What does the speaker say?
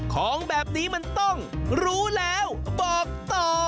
ของแบบนี้มันต้องรู้แล้วบอกต่อ